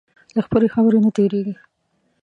له خپلې خبرې نه تېرېږي.